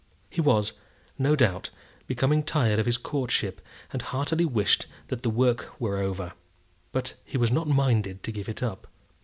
He was, no doubt, becoming tired of his courtship, and heartily wished that the work were over; but he was not minded to give it up.